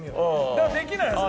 だからできないはず。